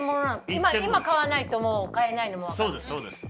今買わないともう買えないのもわかる。